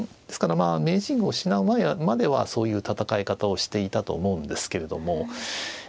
ですから名人を失う前まではそういう戦い方をしていたと思うんですけれども。